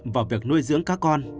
vào việc nuôi dưỡng các con